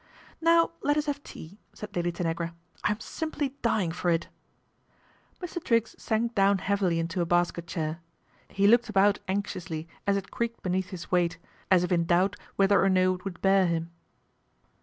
" Now let us have tea," said Lady Tanagra " I'm simply dying for it." Mr. Triggs sank down heavily into a basket chair. He looked about anxiously, as it creakec beneath his weight, as if in doubt whether or n< it would bear him.